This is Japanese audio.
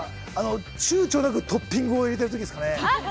ちゅうちょなくトッピングを入れたときですかね。